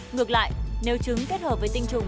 ngược lại nếu trứng kết hợp với tinh trùng